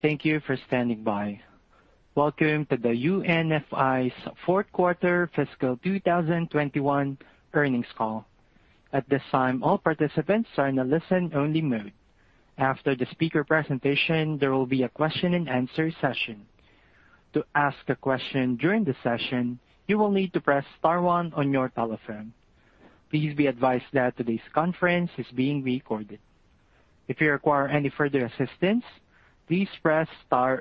Thank you for standing by. Welcome to the UNFI's fourth quarter fiscal 2021 earnings call. At this time, all participants are in a listen-only mode. After the speaker presentation, there will be a Q&A session. Please be advised that today's conference is being recorded. I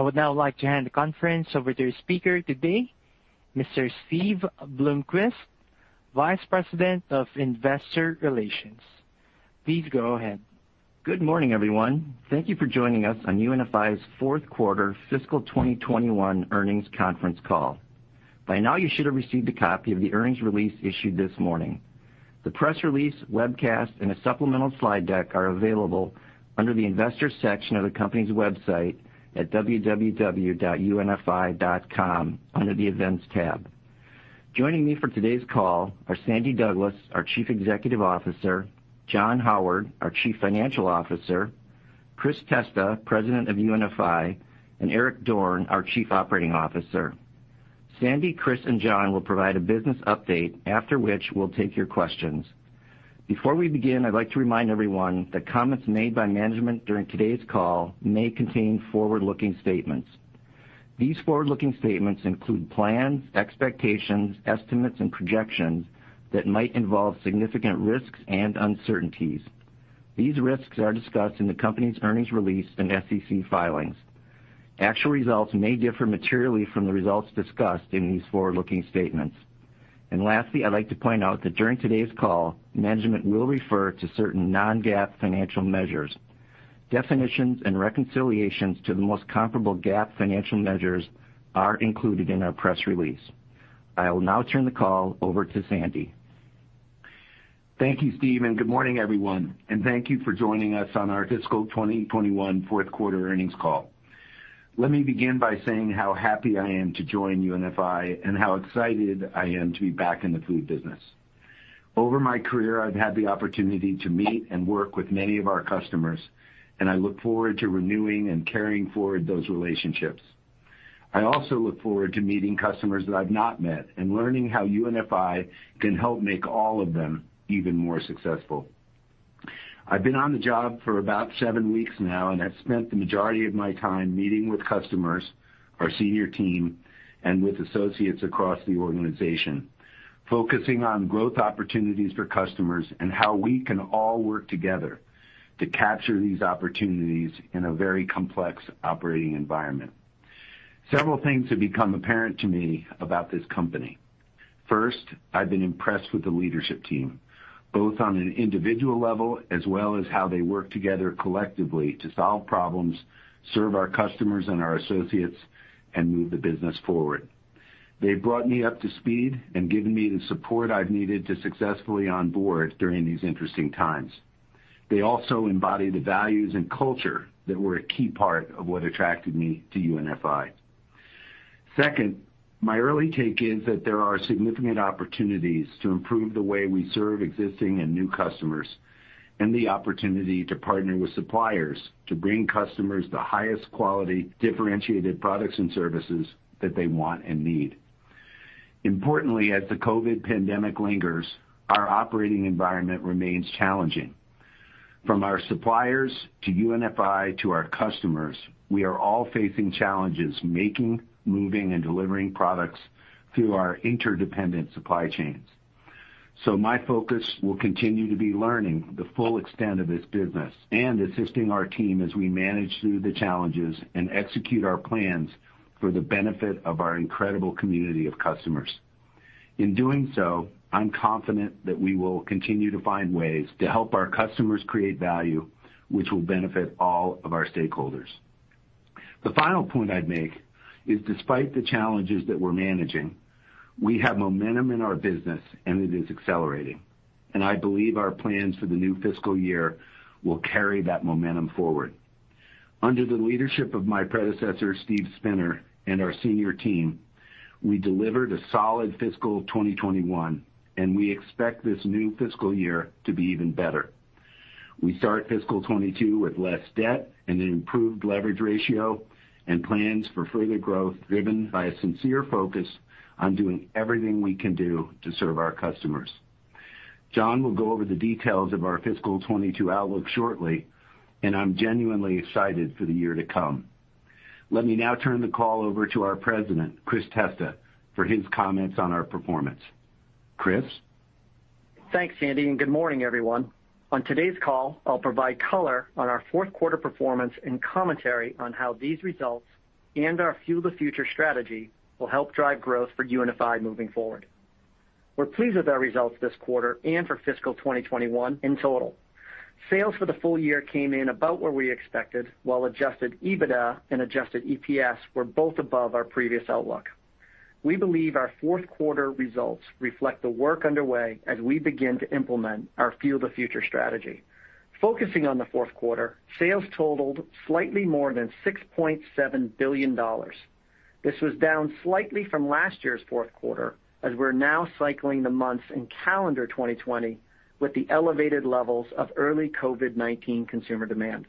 would now like to hand the conference over to your speaker today, Mr. Steve Bloomquist, Vice President of Investor Relations. Please go ahead. Good morning, everyone. Thank you for joining us on UNFI's fourth quarter fiscal 2021 earnings conference call. By now, you should have received a copy of the earnings release issued this morning. The press release, webcast, and a supplemental slide deck are available under the investor section of the company's website at www.unfi.com under the Events tab. Joining me for today's call are Sandy Douglas, our Chief Executive Officer, John Howard, our Chief Financial Officer, Chris Testa, President of UNFI, and Eric Dorne, our Chief Operating Officer. Sandy, Chris, and John will provide a business update, after which we'll take your questions. Before we begin, I'd like to remind everyone that comments made by management during today's call may contain forward-looking statements. These forward-looking statements include plans, expectations, estimates, and projections that might involve significant risks and uncertainties. These risks are discussed in the company's earnings release and SEC filings. Actual results may differ materially from the results discussed in these forward-looking statements. Lastly, I'd like to point out that during today's call, management will refer to certain non-GAAP financial measures. Definitions and reconciliations to the most comparable GAAP financial measures are included in our press release. I will now turn the call over to Sandy. Thank you, Steve, and good morning, everyone. Thank you for joining us on our fiscal 2021 fourth quarter earnings call. Let me begin by saying how happy I am to join UNFI and how excited I am to be back in the food business. Over my career, I've had the opportunity to meet and work with many of our customers, and I look forward to renewing and carrying forward those relationships. I also look forward to meeting customers that I've not met and learning how UNFI can help make all of them even more successful. I've been on the job for about seven weeks now, and I've spent the majority of my time meeting with customers, our senior team, and with associates across the organization, focusing on growth opportunities for customers and how we can all work together to capture these opportunities in a very complex operating environment. Several things have become apparent to me about this company. First, I've been impressed with the leadership team, both on an individual level as well as how they work together collectively to solve problems, serve our customers and our associates, and move the business forward. They brought me up to speed and given me the support I've needed to successfully onboard during these interesting times. They also embody the values and culture that were a key part of what attracted me to UNFI. Second, my early take is that there are significant opportunities to improve the way we serve existing and new customers, and the opportunity to partner with suppliers to bring customers the highest quality, differentiated products and services that they want and need. Importantly, as the COVID pandemic lingers, our operating environment remains challenging. From our suppliers to UNFI to our customers, we are all facing challenges making, moving, and delivering products through our interdependent supply chains. My focus will continue to be learning the full extent of this business and assisting our team as we manage through the challenges and execute our plans for the benefit of our incredible community of customers. In doing so, I'm confident that we will continue to find ways to help our customers create value, which will benefit all of our stakeholders. The final point I'd make is despite the challenges that we're managing, we have momentum in our business, and it is accelerating. I believe our plans for the new fiscal year will carry that momentum forward. Under the leadership of my predecessor, Steven Spinner, and our senior team, we delivered a solid fiscal 2021. We expect this new fiscal year to be even better. We start fiscal 2022 with less debt and an improved leverage ratio and plans for further growth, driven by a sincere focus on doing everything we can do to serve our customers. John will go over the details of our fiscal 2022 outlook shortly. I'm genuinely excited for the year to come. Let me now turn the call over to our President, Chris Testa, for his comments on our performance. Chris? Thanks, Sandy, and good morning, everyone. On today's call, I'll provide color on our fourth quarter performance and commentary on how these results and our Fuel the Future strategy will help drive growth for UNFI moving forward. We're pleased with our results this quarter and for fiscal 2021 in total. Sales for the full year came in about where we expected, while adjusted EBITDA and adjusted EPS were both above our previous outlook. We believe our fourth quarter results reflect the work underway as we begin to implement our Fuel the Future strategy. Focusing on the fourth quarter, sales totaled slightly more than $6.7 billion. This was down slightly from last year's fourth quarter, as we're now cycling the months in calendar 2020 with the elevated levels of early COVID-19 consumer demand.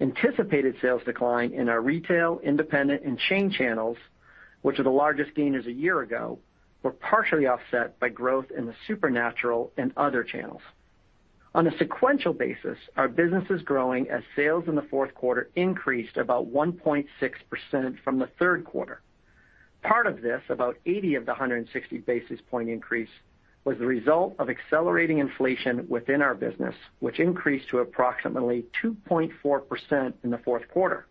Anticipated sales decline in our retail, independent, and chain channels, which were the largest gainers a year ago, were partially offset by growth in the Supervalu and other channels. On a sequential basis, our business is growing as sales in the fourth quarter increased about 1.6% from the third quarter. Part of this, about 80 of the 160 basis point increase, was the result of accelerating inflation within our business, which increased to approximately 2.4% in the fourth quarter.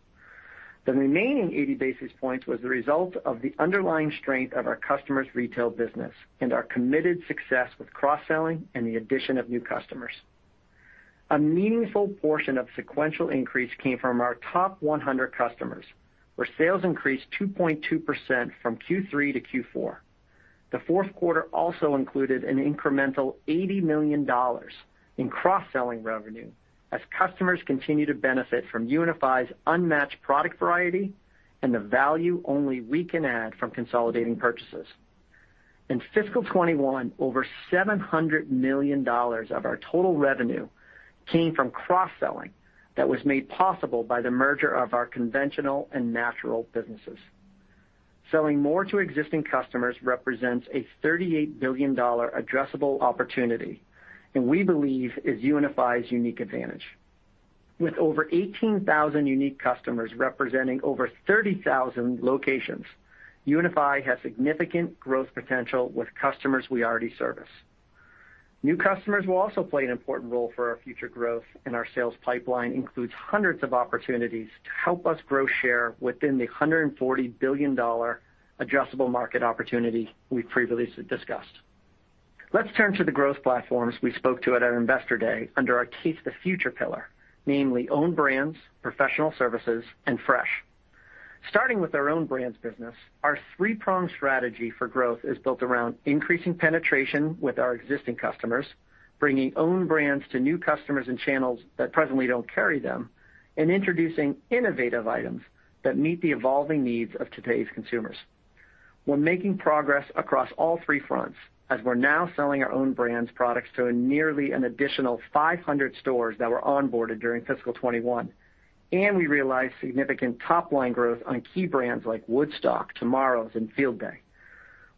The remaining 80 basis points was the result of the underlying strength of our customers' retail business and our committed success with cross-selling and the addition of new customers. A meaningful portion of sequential increase came from our top 100 customers, where sales increased 2.2% from Q3 to Q4. The fourth quarter also included an incremental $80 million in cross-selling revenue as customers continue to benefit from UNFI's unmatched product variety and the value only we can add from consolidating purchases. In fiscal 2021, over $700 million of our total revenue came from cross-selling that was made possible by the merger of our conventional and natural businesses. Selling more to existing customers represents a $38 billion addressable opportunity and we believe is UNFI's unique advantage. With over 18,000 unique customers representing over 30,000 locations, UNFI has significant growth potential with customers we already service. New customers will also play an important role for our future growth, and our sales pipeline includes hundreds of opportunities to help us grow share within the $140 billion addressable market opportunity we previously discussed. Let's turn to the growth platforms we spoke to at our investor day under our Fuel the Future pillar, namely owned brands, professional services, and fresh. Starting with our own brands business, our three-pronged strategy for growth is built around increasing penetration with our existing customers, bringing own brands to new customers and channels that presently don't carry them, and introducing innovative items that meet the evolving needs of today's consumers. We're making progress across all three fronts as we're now selling our own brands products to nearly an additional 500 stores that were onboarded during fiscal 2021. We realized significant top-line growth on key brands like Woodstock, Tumaro's, and Field Day.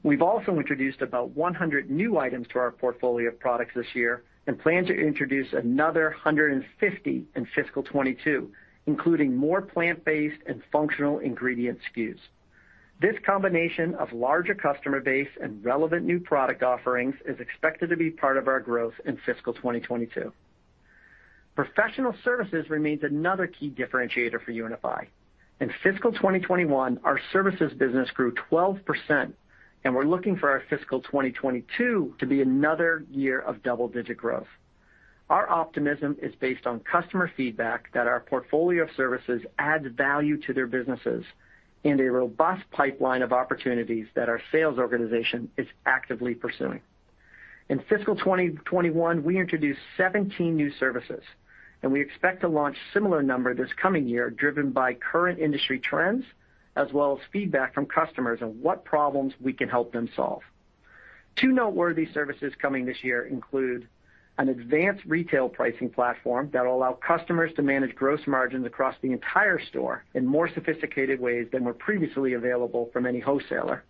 We've also introduced about 100 new items to our portfolio of products this year and plan to introduce another 150 in fiscal 2022, including more plant-based and functional ingredient SKUs. This combination of larger customer base and relevant new product offerings is expected to be part of our growth in fiscal 2022. Professional services remains another key differentiator for UNFI. In fiscal 2021, our services business grew 12%, and we're looking for our fiscal 2022 to be another year of double-digit growth. Our optimism is based on customer feedback that our portfolio of services adds value to their businesses and a robust pipeline of opportunities that our sales organization is actively pursuing. In fiscal 2021, we introduced 17 new services, and we expect to launch similar number this coming year, driven by current industry trends, as well as feedback from customers on what problems we can help them solve. Two noteworthy services coming this year include an advanced retail pricing platform that will allow customers to manage gross margins across the entire store in more sophisticated ways than were previously available from any wholesaler,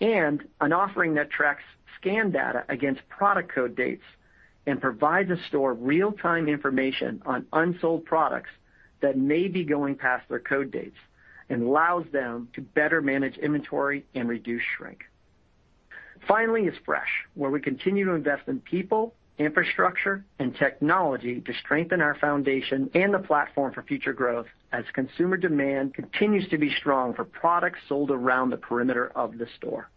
and an offering that tracks scan data against product code dates and provides a store real-time information on unsold products that may be going past their code dates and allows them to better manage inventory and reduce shrink. Finally, is fresh, where we continue to invest in people, infrastructure, and technology to strengthen our foundation and the platform for future growth as consumer demand continues to be strong for products sold around the perimeter of the store.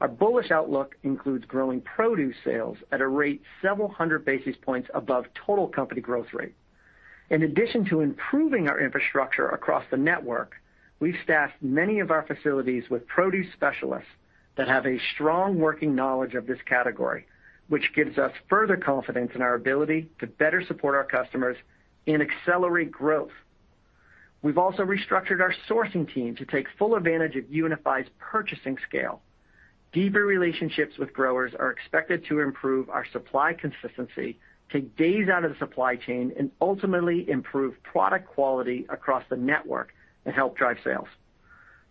Our bullish outlook includes growing produce sales at a rate several hundred basis points above total company growth rate. In addition to improving our infrastructure across the network, we've staffed many of our facilities with produce specialists that have a strong working knowledge of this category, which gives us further confidence in our ability to better support our customers and accelerate growth. We've also restructured our sourcing team to take full advantage of UNFI's purchasing scale. Deeper relationships with growers are expected to improve our supply consistency, take days out of the supply chain, and ultimately improve product quality across the network and help drive sales.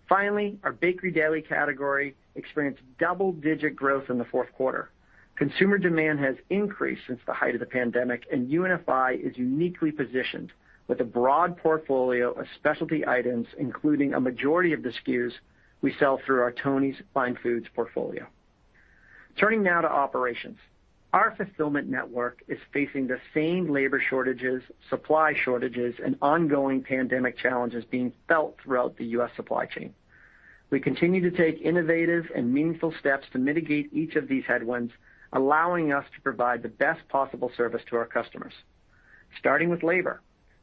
Finally, our bakery deli category experienced double-digit growth in the fourth quarter. Consumer demand has increased since the height of the pandemic, and UNFI is uniquely positioned with a broad portfolio of specialty items, including a majority of the SKUs we sell through our Tony's Fine Foods portfolio. Turning now to operations. Our fulfillment network is facing the same labor shortages, supply shortages, and ongoing pandemic challenges being felt throughout the U.S. supply chain. We continue to take innovative and meaningful steps to mitigate each of these headwinds, allowing us to provide the best possible service to our customers. Starting with labor,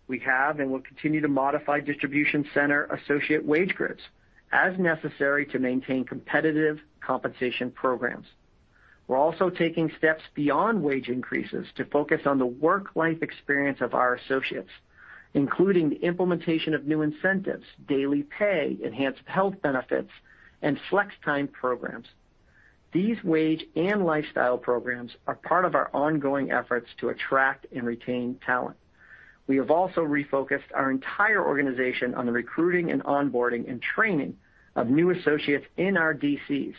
we have and will continue to modify distribution center associate wage grids as necessary to maintain competitive compensation programs. We're also taking steps beyond wage increases to focus on the work/life experience of our associates, including the implementation of new incentives, daily pay, enhanced health benefits, and flex time programs. These wage and lifestyle programs are part of our ongoing efforts to attract and retain talent. We have also refocused our entire organization on the recruiting and onboarding and training of new associates in our DCs,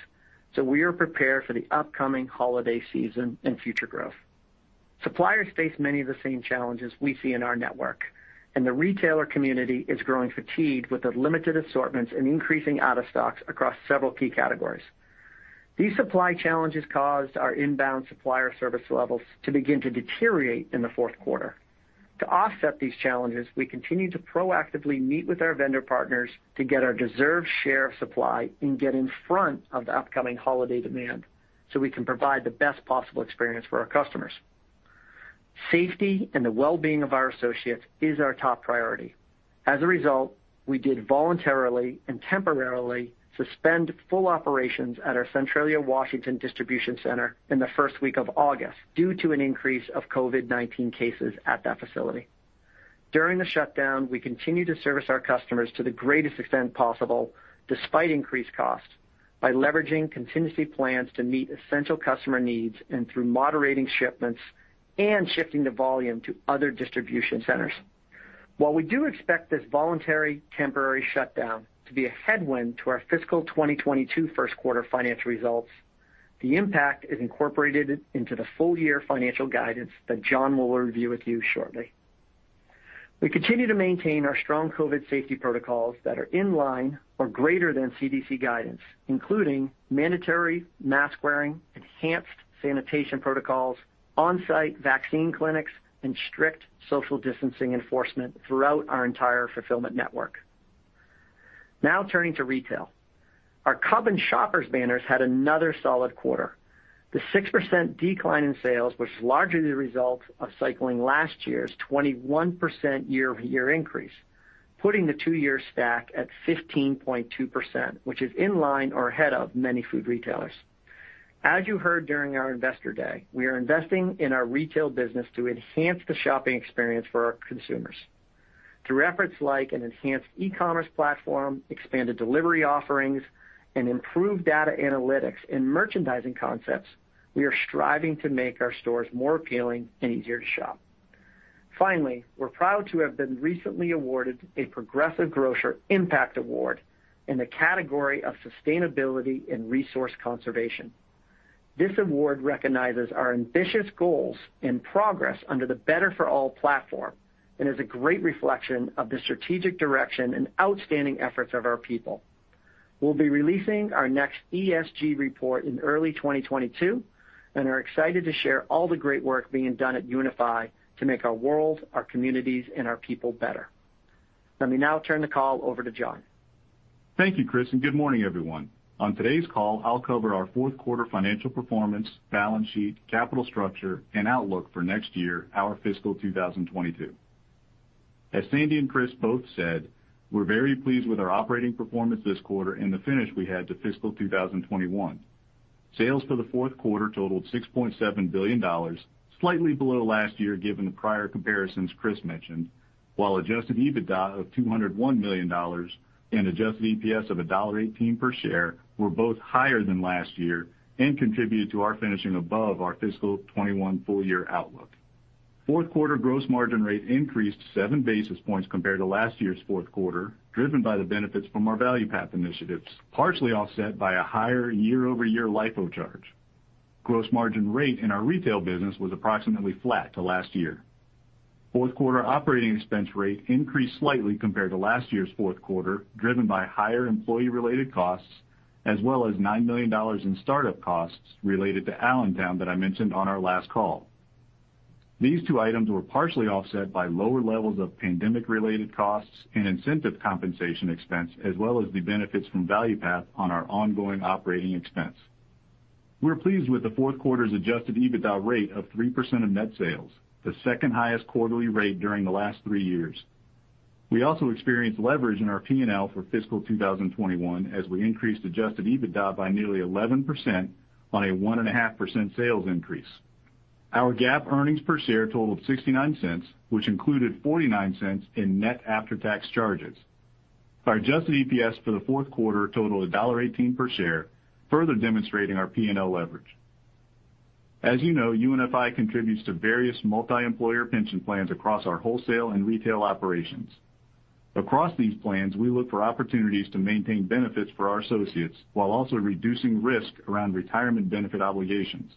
so we are prepared for the upcoming holiday season and future growth. Suppliers face many of the same challenges we see in our network, and the retailer community is growing fatigued with the limited assortments and increasing out-of-stocks across several key categories. These supply challenges caused our inbound supplier service levels to begin to deteriorate in the fourth quarter. To offset these challenges, we continue to proactively meet with our vendor partners to get our deserved share of supply and get in front of the upcoming holiday demand so we can provide the best possible experience for our customers. Safety and the well-being of our associates is our top priority. As a result, we did voluntarily and temporarily suspend full operations at our Centralia, Washington distribution center in the first week of August due to an increase of COVID-19 cases at that facility. During the shutdown, we continued to service our customers to the greatest extent possible, despite increased cost, by leveraging contingency plans to meet essential customer needs and through moderating shipments and shifting the volume to other distribution centers. While we do expect this voluntary temporary shutdown to be a headwind to our fiscal 2022 first quarter financial results, the impact is incorporated into the full year financial guidance that John will review with you shortly. We continue to maintain our strong COVID safety protocols that are in line or greater than CDC guidance, including mandatory mask wearing, enhanced sanitation protocols, on-site vaccine clinics, and strict social distancing enforcement throughout our entire fulfillment network. Now turning to retail. Our Cub and Shoppers banners had another solid quarter. The 6% decline in sales was largely the result of cycling last year's 21% year-over-year increase, putting the two-year stack at 15.2%, which is in line or ahead of many food retailers. As you heard during our investor day, we are investing in our retail business to enhance the shopping experience for our consumers. Through efforts like an enhanced e-commerce platform, expanded delivery offerings, and improved data analytics and merchandising concepts, we are striving to make our stores more appealing and easier to shop. Finally, we're proud to have been recently awarded a Progressive Grocer Impact Award in the category of sustainability and resource conservation. This award recognizes our ambitious goals and progress under the Better for All platform and is a great reflection of the strategic direction and outstanding efforts of our people. We'll be releasing our next ESG report in early 2022 and are excited to share all the great work being done at UNFI to make our world, our communities, and our people better. Let me now turn the call over to John. Thank you, Chris. Good morning, everyone. On today's call, I'll cover our fourth quarter financial performance, balance sheet, capital structure, and outlook for next year, our fiscal 2022. As Sandy and Chris both said, we're very pleased with our operating performance this quarter and the finish we had to fiscal 2021. Sales for the fourth quarter totaled $6.7 billion, slightly below last year given the prior comparisons Chris mentioned, while adjusted EBITDA of $201 million and adjusted EPS of $1.18 per share were both higher than last year and contributed to our finishing above our fiscal 2021 full year outlook. Fourth quarter gross margin rate increased 7 basis points compared to last year's fourth quarter, driven by the benefits from our Value Path initiatives, partially offset by a higher year-over-year LIFO charge. Gross margin rate in our retail business was approximately flat to last year. Fourth quarter operating expense rate increased slightly compared to last year's fourth quarter, driven by higher employee-related costs as well as $9 million in startup costs related to Allentown that I mentioned on our last call. These two items were partially offset by lower levels of pandemic-related costs and incentive compensation expense as well as the benefits from Value Path on our ongoing operating expense. We're pleased with the fourth quarter's adjusted EBITDA rate of 3% of net sales, the second highest quarterly rate during the last three years. We also experienced leverage in our P&L for fiscal 2021 as we increased adjusted EBITDA by nearly 11% on a 1.5% sales increase. Our GAAP earnings per share totaled $0.69, which included $0.49 in net after-tax charges. Our adjusted EPS for the fourth quarter totaled $1.18 per share, further demonstrating our P&L leverage. As you know, UNFI contributes to various multiemployer pension plans across our wholesale and retail operations. Across these plans, we look for opportunities to maintain benefits for our associates while also reducing risk around retirement benefit obligations.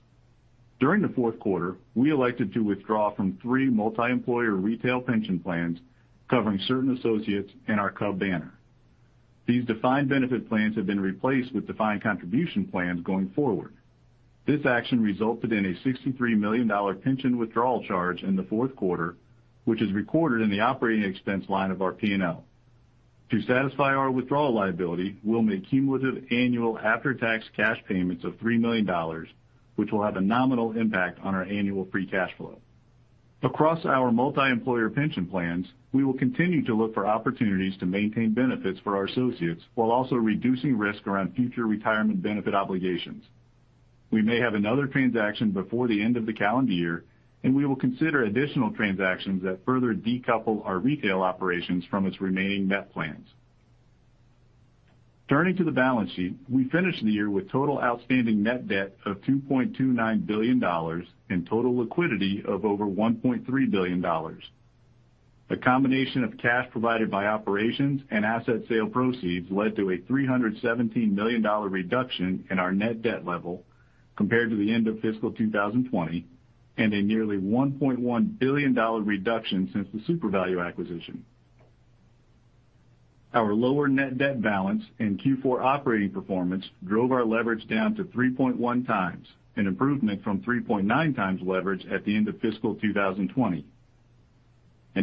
During the fourth quarter, we elected to withdraw from three multiemployer retail pension plans covering certain associates in our Cub banner. These defined benefit plans have been replaced with defined contribution plans going forward. This action resulted in a $63 million pension withdrawal charge in the fourth quarter, which is recorded in the operating expense line of our P&L. To satisfy our withdrawal liability, we'll make cumulative annual after-tax cash payments of $3 million, which will have a nominal impact on our annual free cash flow. Across our multiemployer pension plans, we will continue to look for opportunities to maintain benefits for our associates while also reducing risk around future retirement benefit obligations. We may have another transaction before the end of the calendar year, and we will consider additional transactions that further decouple our retail operations from its remaining net plans. Turning to the balance sheet, we finished the year with total outstanding net debt of $2.29 billion and total liquidity of over $1.3 billion. A combination of cash provided by operations and asset sale proceeds led to a $317 million reduction in our net debt level compared to the end of fiscal 2020 and a nearly $1.1 billion reduction since the Supervalu acquisition. Our lower net debt balance and Q4 operating performance drove our leverage down to 3.1x, an improvement from 3.9x leverage at the end of fiscal 2020.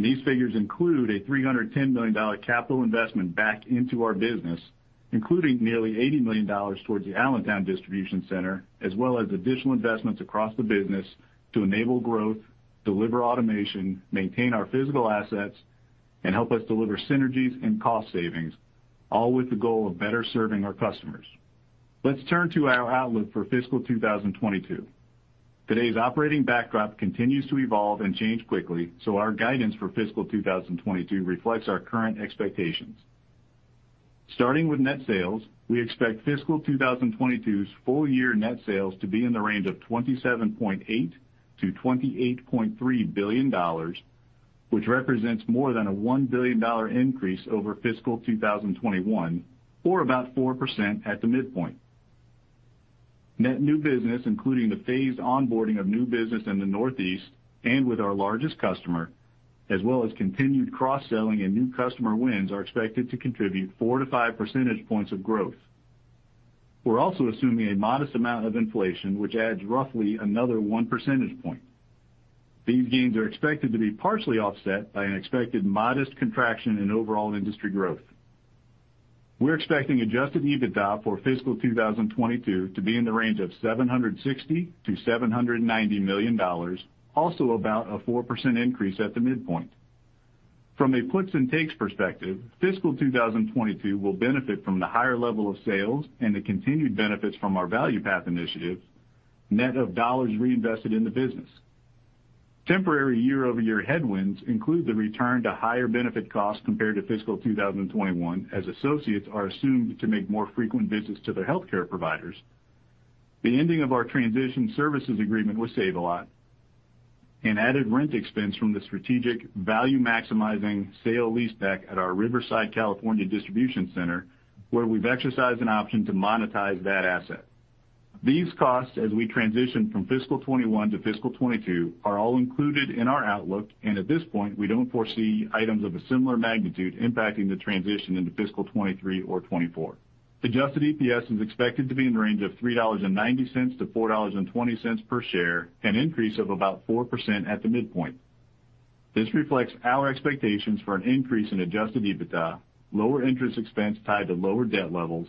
These figures include a $310 million capital investment back into our business, including nearly $80 million towards the Allentown distribution center, as well as additional investments across the business to enable growth, deliver automation, maintain our physical assets, and help us deliver synergies and cost savings, all with the goal of better serving our customers. Let's turn to our outlook for fiscal 2022. Today's operating backdrop continues to evolve and change quickly, so our guidance for fiscal 2022 reflects our current expectations. Starting with net sales, we expect fiscal 2022's full year net sales to be in the range of $27.8 billion-$28.3 billion, which represents more than a $1 billion increase over fiscal 2021, or about 4% at the midpoint. Net new business, including the phased onboarding of new business in the Northeast and with our largest customer, as well as continued cross-selling and new customer wins, are expected to contribute 4-5 percentage points of growth. We're also assuming a modest amount of inflation, which adds roughly another 1 percentage point. These gains are expected to be partially offset by an expected modest contraction in overall industry growth. We're expecting adjusted EBITDA for fiscal 2022 to be in the range of $760 million-$790 million, also about a 4% increase at the midpoint. From a puts-and-takes perspective, fiscal 2022 will benefit from the higher level of sales and the continued benefits from our Value Path initiatives, net of dollars reinvested in the business. Temporary year-over-year headwinds include the return to higher benefit costs compared to fiscal 2021, as associates are assumed to make more frequent visits to their healthcare providers, the ending of our transition services agreement with Save A Lot, and added rent expense from the strategic value-maximizing sale-leaseback at our Riverside, California, distribution center, where we've exercised an option to monetize that asset. These costs, as we transition from fiscal 2021 to fiscal 2022, are all included in our outlook. At this point, we don't foresee items of a similar magnitude impacting the transition into fiscal 2023 or 2024. adjusted EPS is expected to be in the range of $3.90-$4.20 per share, an increase of about 4% at the midpoint. This reflects our expectations for an increase in adjusted EBITDA, lower interest expense tied to lower debt levels,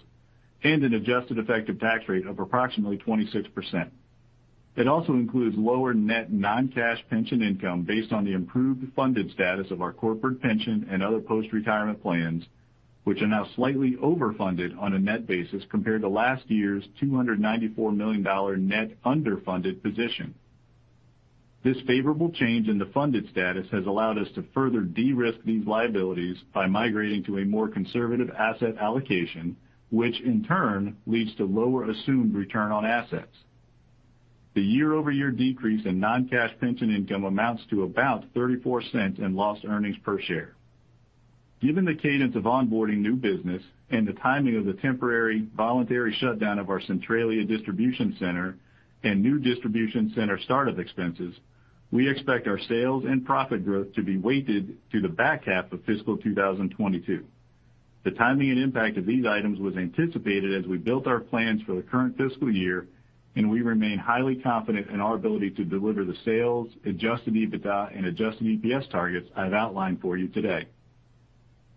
and an adjusted effective tax rate of approximately 26%. It also includes lower net non-cash pension income based on the improved funded status of our corporate pension and other postretirement plans, which are now slightly overfunded on a net basis compared to last year's $294 million net underfunded position. This favorable change in the funded status has allowed us to further de-risk these liabilities by migrating to a more conservative asset allocation, which in turn leads to lower assumed return on assets. The year-over-year decrease in non-cash pension income amounts to about $0.34 in lost earnings per share. Given the cadence of onboarding new business and the timing of the temporary voluntary shutdown of our Centralia distribution center and new distribution center startup expenses, we expect our sales and profit growth to be weighted to the back half of fiscal 2022. The timing and impact of these items was anticipated as we built our plans for the current fiscal year, and we remain highly confident in our ability to deliver the sales, adjusted EBITDA, and adjusted EPS targets I've outlined for you today.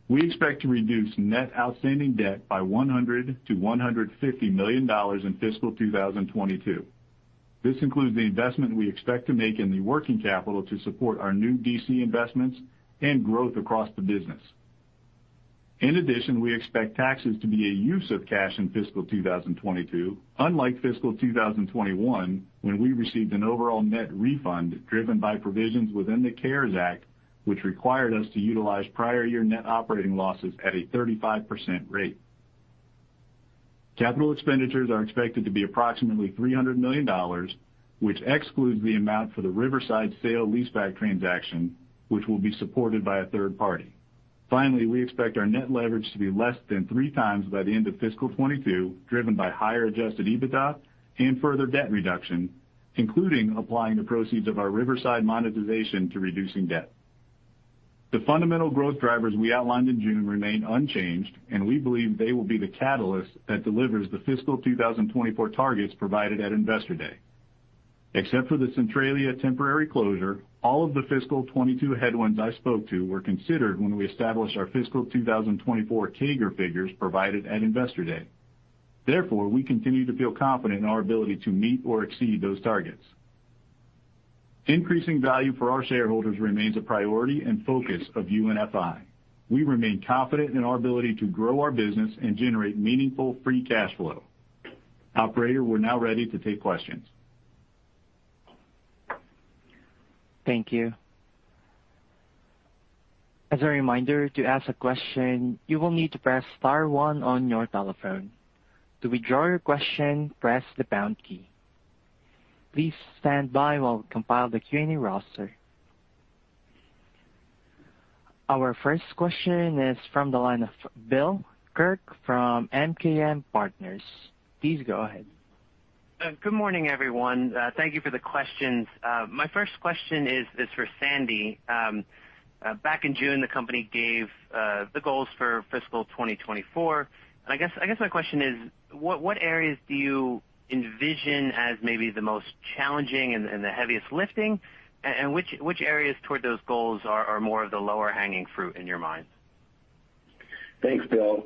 We expect to reduce net outstanding debt by $100 million-$150 million in fiscal 2022. This includes the investment we expect to make in the working capital to support our new DC investments and growth across the business. In addition, we expect taxes to be a use of cash in fiscal 2022, unlike fiscal 2021, when we received an overall net refund driven by provisions within the CARES Act, which required us to utilize prior year net operating losses at a 35% rate. Capital expenditures are expected to be approximately $300 million, which excludes the amount for the Riverside sale-leaseback transaction, which will be supported by a third party. Finally, we expect our net leverage to be less than 3x by the end of fiscal 2022, driven by higher adjusted EBITDA and further debt reduction, including applying the proceeds of our Riverside monetization to reducing debt. The fundamental growth drivers we outlined in June remain unchanged, and we believe they will be the catalyst that delivers the fiscal 2024 targets provided at Investor Day. Except for the Centralia temporary closure, all of the fiscal 2022 headwinds I spoke to were considered when we established our fiscal 2024 CAGR figures provided at Investor Day. Therefore, we continue to feel confident in our ability to meet or exceed those targets. Increasing value for our shareholders remains a priority and focus of UNFI. We remain confident in our ability to grow our business and generate meaningful free cash flow. Operator, we're now ready to take questions. Thank you. As a reminder, to ask a question, you will need to press star one on your telephone. To withdraw your question, press the pound key. Please stand by while we compile the Q&A roster. Our first question is from the line of Bill Kirk from MKM Partners. Please go ahead. Good morning, everyone. Thank you for the questions. My first question is for Sandy. Back in June, the company gave the goals for fiscal 2024. I guess my question is, what areas do you envision as maybe the most challenging and the heaviest lifting, and which areas toward those goals are more of the lower-hanging fruit in your mind? Thanks, Bill.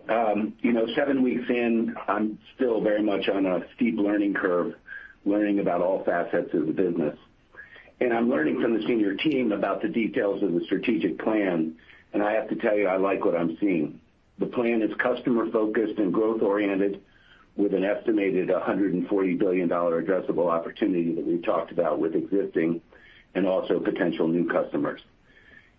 Seven weeks in, I'm still very much on a steep learning curve, learning about all facets of the business. I'm learning from the senior team about the details of the strategic plan, and I have to tell you, I like what I'm seeing. The plan is customer-focused and growth-oriented with an estimated $140 billion addressable opportunity that we've talked about with existing and also potential new customers.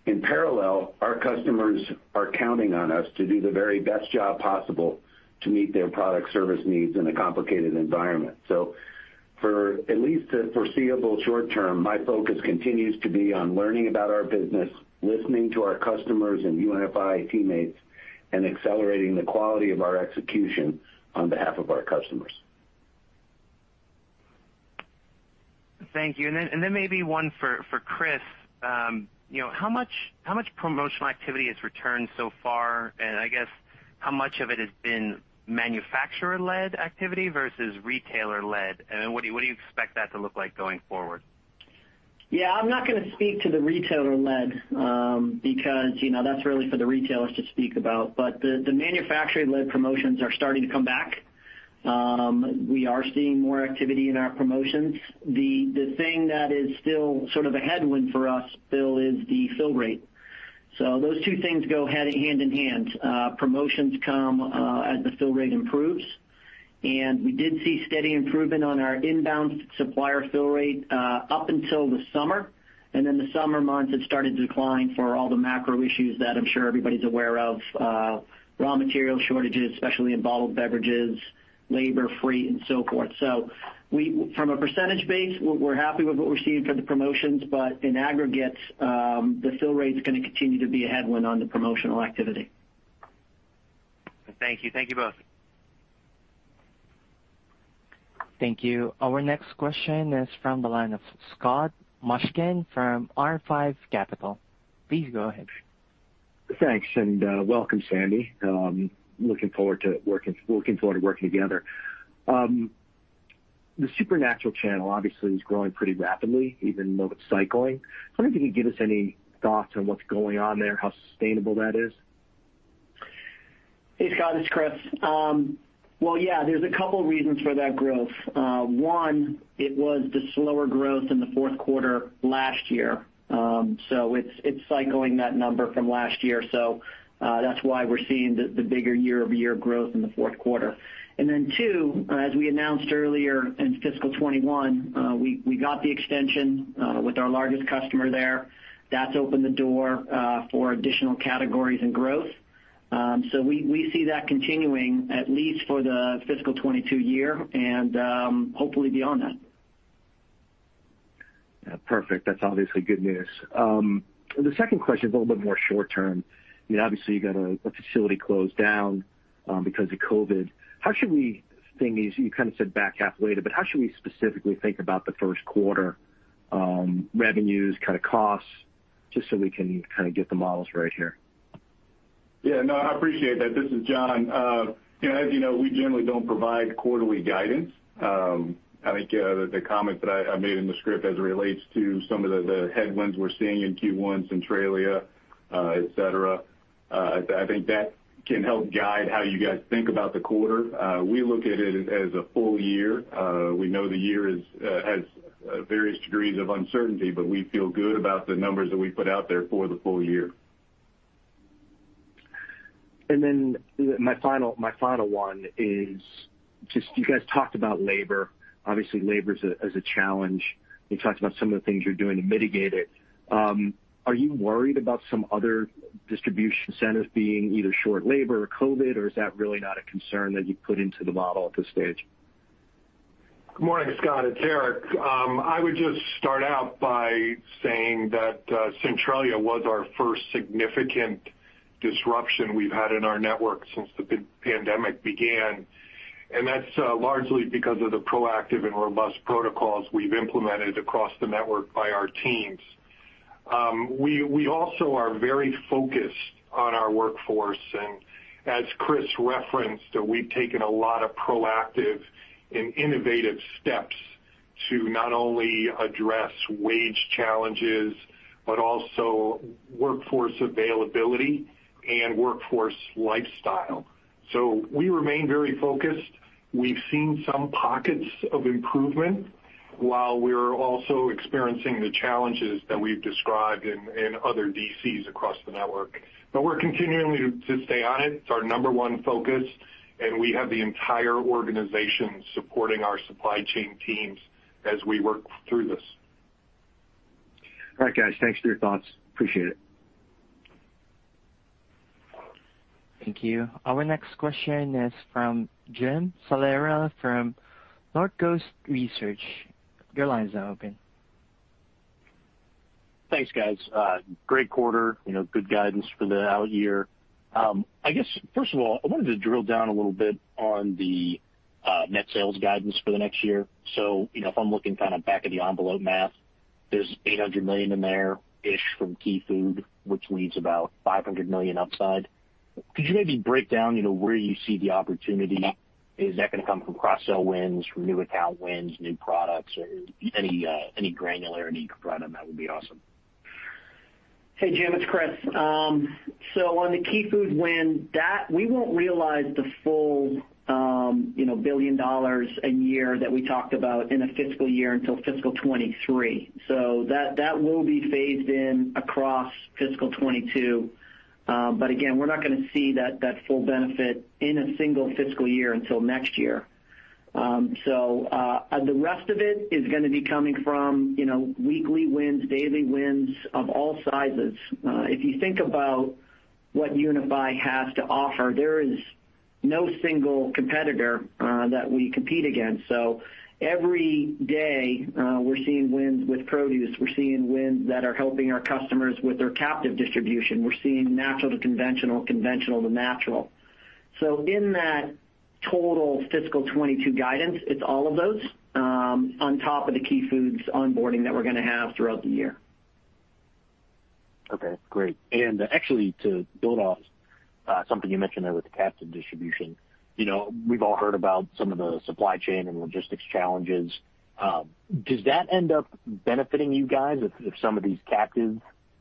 In parallel, our customers are counting on us to do the very best job possible to meet their product service needs in a complicated environment. For at least the foreseeable short term, my focus continues to be on learning about our business, listening to our customers and UNFI teammates, and accelerating the quality of our execution on behalf of our customers. Thank you. Then maybe one for Chris. How much promotional activity has returned so far, I guess how much of it has been manufacturer-led activity versus retailer-led? What do you expect that to look like going forward? Yeah, I'm not gonna speak to the retailer-led, because that's really for the retailers to speak about. The manufacturer-led promotions are starting to come back. We are seeing more activity in our promotions. The thing that is still sort of a headwind for us, Bill, is the fill rate. Those two things go hand in hand. Promotions come as the fill rate improves, and we did see steady improvement on our inbound supplier fill rate up until the summer. The summer months, it started to decline for all the macro issues that I'm sure everybody's aware of, raw material shortages, especially in bottled beverages, labor, freight, and so forth. From a percentage base, we're happy with what we're seeing from the promotions, but in aggregate, the fill rate's gonna continue to be a headwind on the promotional activity. Thank you. Thank you both. Thank you. Our next question is from the line of Scott Mushkin from R5 Capital. Please go ahead. Thanks, welcome, Sandy. Looking forward to working together. The natural channel obviously is growing pretty rapidly, even though it's cycling. I wonder if you could give us any thoughts on what's going on there, how sustainable that is. Hey, Scott, it's Chris. Well, yeah, there's a couple reasons for that growth. One, it was the slower growth in the fourth quarter last year. It's cycling that number from last year, so that's why we're seeing the bigger year-over-year growth in the fourth quarter. Two, as we announced earlier in fiscal 2021, we got the extension with our largest customer there. That's opened the door for additional categories and growth. We see that continuing at least for the fiscal 2022 year and hopefully beyond that. Yeah. Perfect. That's obviously good news. The second question is a little bit more short term. Obviously, you got a facility closed down because of COVID. You kind of said back half later, but how should we specifically think about the first quarter revenues, costs, just so we can kind of get the models right here? Yeah, no, I appreciate that. This is John. As you know, we generally don't provide quarterly guidance. The comment that I made in the script as it relates to some of the headwinds we're seeing in Q1, Centralia, et cetera, I think that can help guide how you guys think about the quarter. We look at it as a full year. We know the year has various degrees of uncertainty, but we feel good about the numbers that we put out there for the full year. My final one is just, you guys talked about labor. Obviously, labor is a challenge. You talked about some of the things you're doing to mitigate it. Are you worried about some other distribution centers being either short labor or COVID, or is that really not a concern that you put into the model at this stage? Good morning, Scott. It's Eric. I would just start out by saying that Centralia was our first significant disruption we've had in our network since the pandemic began, and that's largely because of the proactive and robust protocols we've implemented across the network by our teams. We also are very focused on our workforce, and as Chris referenced, we've taken a lot of proactive and innovative steps to not only address wage challenges, but also workforce availability and workforce lifestyle. We remain very focused. We've seen some pockets of improvement while we're also experiencing the challenges that we've described in other DCs across the network. We're continuing to stay on it. It's our number one focus, and we have the entire organization supporting our supply chain teams as we work through this. All right, guys. Thanks for your thoughts. Appreciate it. Thank you. Our next question is from Jim Salera from Northcoast Research. Thanks, guys. Great quarter. Good guidance for the out year. I guess, first of all, I wanted to drill down a little bit on the net sales guidance for the next year. If I'm looking back of the envelope math, there's $800 million in there-ish from Key Food, which leaves about $500 million upside. Could you maybe break down where you see the opportunity? Is that going to come from cross-sell wins, from new account wins, new products, or any granularity you could provide on that would be awesome. Hey, Jim, it's Chris. On the Key Food win, we won't realize the full $1 billion a year that we talked about in a fiscal year until fiscal 2023. That will be phased in across fiscal 2022. Again, we're not going to see that full benefit in a single fiscal year until next year. The rest of it is going to be coming from weekly wins, daily wins of all sizes. If you think about what UNFI has to offer, there is no single competitor that we compete against. Every day, we're seeing wins with produce. We're seeing wins that are helping our customers with their captive distribution. We're seeing natural to conventional to natural. In that total fiscal 2022 guidance, it's all of those, on top of the Key Food onboarding that we're going to have throughout the year. Okay. Great. Actually, to build off something you mentioned there with the captive distribution. We've all heard about some of the supply chain and logistics challenges. Does that end up benefiting you guys if some of these captive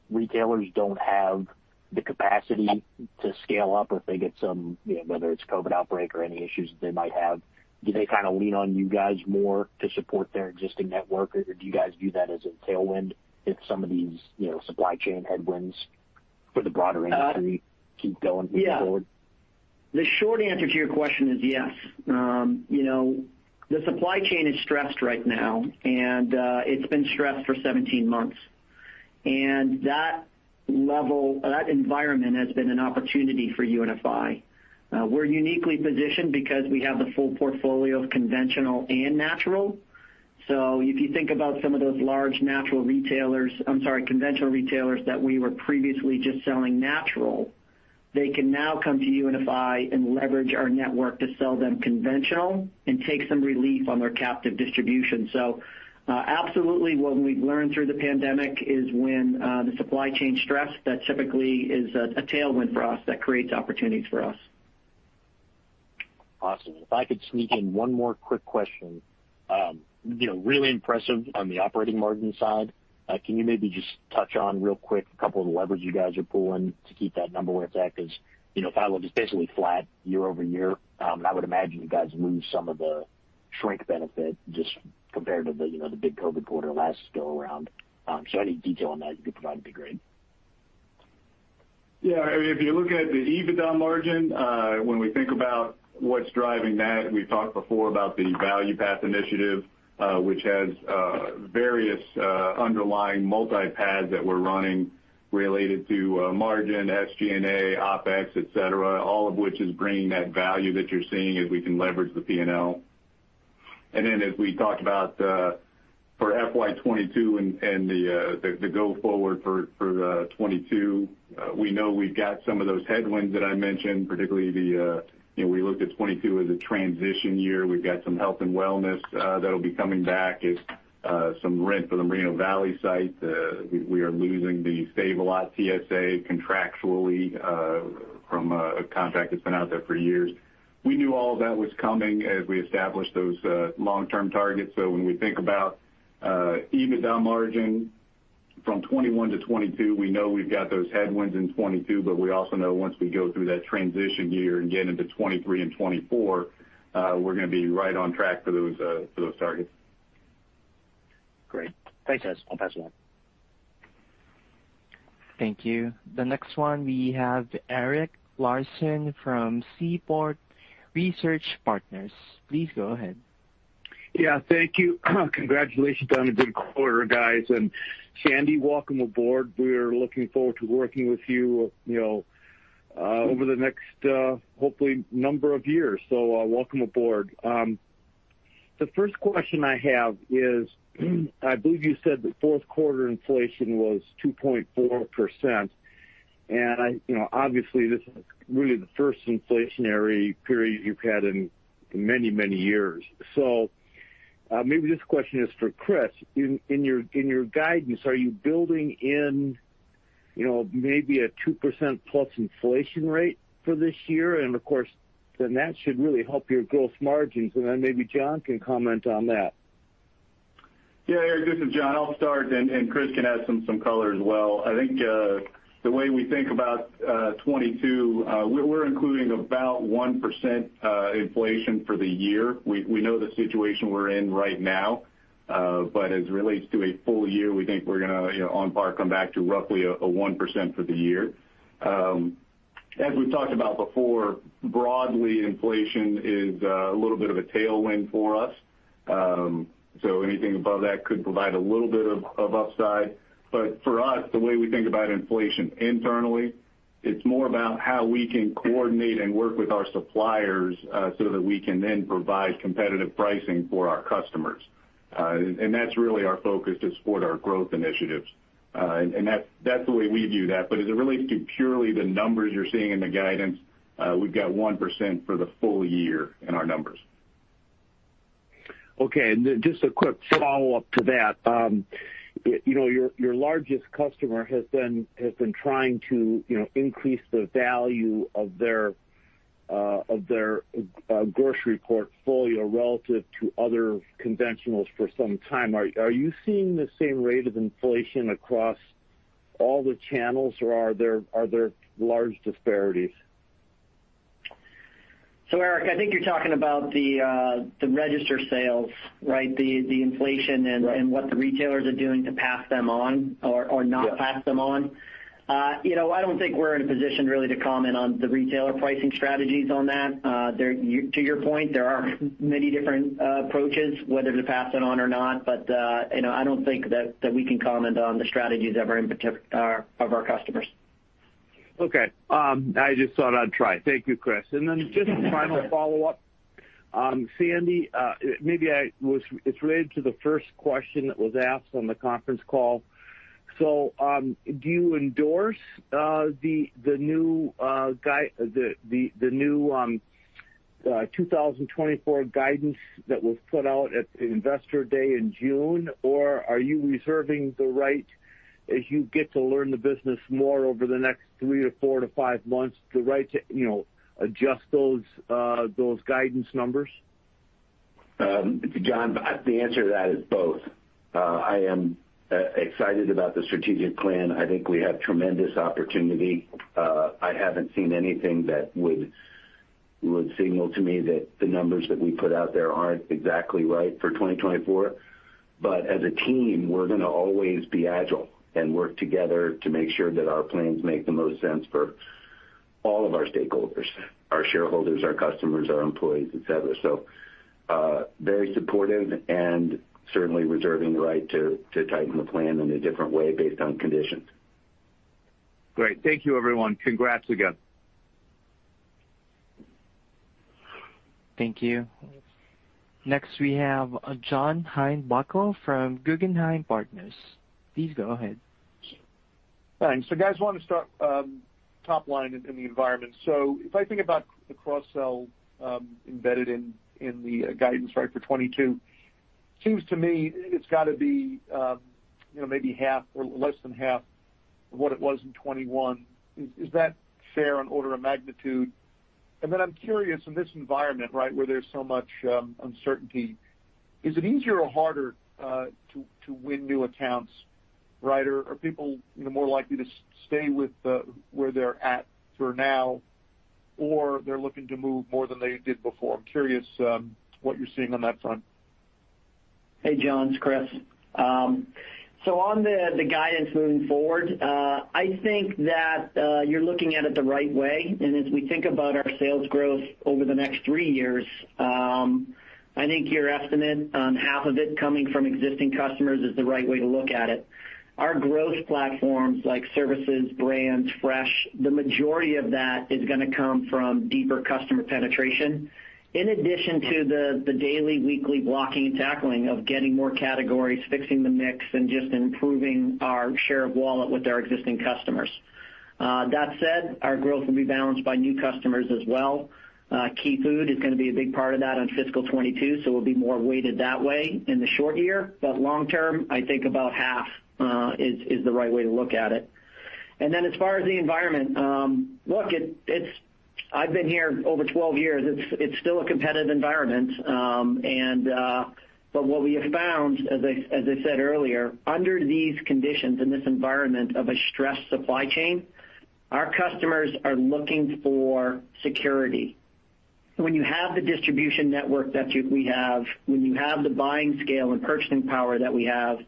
retailers don't have the capacity to scale up if they get some, whether it's COVID outbreak or any issues that they might have? Do they lean on you guys more to support their existing network, or do you guys view that as a tailwind if some of these supply chain headwinds for the broader industry keep going moving forward? Yeah. The short answer to your question is yes. The supply chain is stressed right now, and it's been stressed for 17 months. That environment has been an opportunity for UNFI. We're uniquely positioned because we have the full portfolio of conventional and natural. If you think about some of those large natural retailers, I'm sorry, conventional retailers that we were previously just selling natural, they can now come to UNFI and leverage our network to sell them conventional and take some relief on their captive distribution. Absolutely what we've learned through the pandemic is when the supply chain stress, that typically is a tailwind for us that creates opportunities for us. Awesome. If I could sneak in one more quick question. Really impressive on the operating margin side. Can you maybe just touch on real quick a couple of the levers you guys are pulling to keep that number where it's at? If I look, it's basically flat year-over-year. I would imagine you guys lose some of the shrink benefit just compared to the big COVID quarter last go around. Any detail on that you could provide would be great. If you're looking at the EBITDA margin, when we think about what's driving that, we've talked before about the Value Path initiative, which has various underlying multi paths that we're running related to margin, SG&A, OpEx, et cetera, all of which is bringing that value that you're seeing as we can leverage the P&L. As we talked about for FY 2022 and the go forward for 2022, we know we've got some of those headwinds that I mentioned, particularly we looked at 2022 as a transition year. We've got some health and wellness that'll be coming back as some rent for the Moreno Valley site. We are losing the Save A Lot TSA contractually from a contract that's been out there for years. We knew all of that was coming as we established those long-term targets. When we think about EBITDA margin from 2021 to 2022, we know we've got those headwinds in 2022, but we also know once we go through that transition year and get into 2023 and 2024, we're going to be right on track for those targets. Great. Thanks, guys. I'll pass it on. Thank you. The next one we have Eric Larson from Seaport Research Partners. Please go ahead. Yeah, thank you. Congratulations on a good quarter, guys. Sandy, welcome aboard. We're looking forward to working with you over the next, hopefully number of years. Welcome aboard. The first question I have is, I believe you said the fourth quarter inflation was 2.4%. Obviously, this is really the first inflationary period you've had in many years. Maybe this question is for Chris. In your guidance, are you building in maybe a 2% plus inflation rate for this year? Of course, then that should really help your growth margins. Then maybe John can comment on that. Yeah, Eric, this is John. I'll start. Chris can add some color as well. I think the way we think about 2022, we're including about 1% inflation for the year. We know the situation we're in right now. As it relates to a full year, we think we're going to on par come back to roughly a 1% for the year. As we've talked about before, broadly, inflation is a little bit of a tailwind for us. Anything above that could provide a little bit of upside. For us, the way we think about inflation internally, it's more about how we can coordinate and work with our suppliers so that we can then provide competitive pricing for our customers. That's really our focus to support our growth initiatives. That's the way we view that. As it relates to purely the numbers you're seeing in the guidance, we've got 1% for the full year in our numbers. Okay, just a quick follow-up to that. Your largest customer has been trying to increase the value of their grocery portfolio relative to other conventionals for some time. Are you seeing the same rate of inflation across all the channels, or are there large disparities? Eric, I think you're talking about the register sales, right? Right What the retailers are doing to pass them on or not. Yeah Pass them on. I don't think we're in a position really to comment on the retailer pricing strategies on that. To your point, there are many different approaches, whether to pass it on or not, but I don't think that we can comment on the strategies of our customers. Okay. I just thought I'd try. Thank you, Chris. Just a final follow-up. Sandy, maybe it's related to the first question that was asked on the conference call. Do you endorse the new 2024 guidance that was put out at the Investor Day in June? Are you reserving the right as you get to learn the business more over the next three to four to five months, the right to adjust those guidance numbers? John, the answer to that is both. I am excited about the strategic plan. I think we have tremendous opportunity. I haven't seen anything that would signal to me that the numbers that we put out there aren't exactly right for 2024. As a team, we're going to always be agile and work together to make sure that our plans make the most sense for all of our stakeholders, our shareholders, our customers, our employees, et cetera. Very supportive and certainly reserving the right to tighten the plan in a different way based on conditions. Great. Thank you, everyone. Congrats again. Thank you. Next, we have John Heinbockel from Guggenheim Partners. Please go ahead. Thanks. Guys, why don't we start top line in the environment? If I think about the cross-sell embedded in the guidance, right, for 2022, seems to me it's got to be maybe half or less than half of what it was in 2021. Is that fair on order of magnitude? I'm curious, in this environment, right, where there's so much uncertainty, is it easier or harder to win new accounts, right? Are people more likely to stay with where they're at for now, or they're looking to move more than they did before? I'm curious what you're seeing on that front. Hey, John, it's Chris. On the guidance moving forward, I think that you're looking at it the right way. As we think about our sales growth over the next three years, I think your estimate on half of it coming from existing customers is the right way to look at it. Our growth platforms like services, brands, fresh, the majority of that is gonna come from deeper customer penetration. In addition to the daily, weekly blocking and tackling of getting more categories, fixing the mix, and just improving our share of wallet with our existing customers. That said, our growth will be balanced by new customers as well. Key Food is gonna be a big part of that on fiscal 2022, so we'll be more weighted that way in the short year. Long term, I think about half is the right way to look at it. As far as the environment, look, I've been here over 12 years. It's still a competitive environment. What we have found, as I said earlier, under these conditions in this environment of a stressed supply chain, our customers are looking for security. When you have the distribution network that we have, when you have the buying scale and purchasing power that we have,